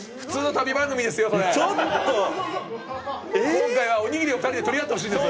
今回はおにぎりを２人で取り合ってほしいんです。